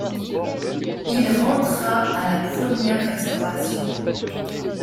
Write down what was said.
Il rentra à la première Restauration.